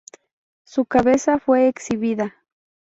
Su cabeza fue exhibida.